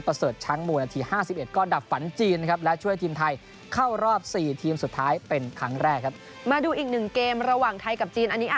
๑๕มิถุนายนปี๒๐๑๓นะครับ